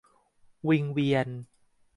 วิงเวียน